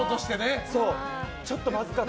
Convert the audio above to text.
ちょっとまずかった。